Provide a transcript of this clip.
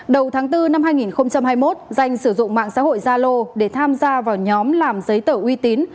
đầu tháng bốn năm hai nghìn hai mươi một danh sử dụng mạng xã hội zalo để tham gia vào nhóm làm giấy tờ uy tín